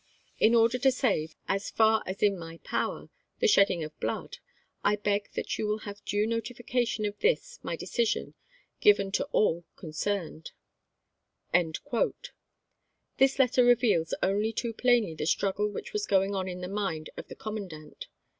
In order to save, as far as in my power, the shedding of blood, I beg that you will have wB'b' vol' ° ue notification of this my decision given to all con i., p'. 134. cerned. This letter reveals only too plainly the struggle which was going on in the mind of the com mandant.